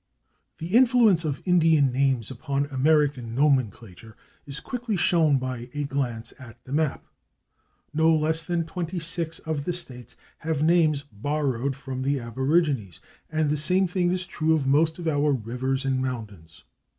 The influence of Indian names upon American nomenclature is quickly shown by a glance at the map. No less than 26 of the states have names borrowed from the aborigines, and the same thing is true of most of our rivers and mountains.